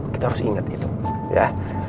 kita harus ingat itu ya